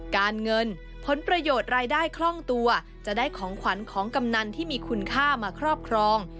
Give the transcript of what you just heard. การเงินผลประโยชน์รายได้คล่องตัวจะได้ของขวัญของกำนันที่มีคุณค่ามาครอบครอง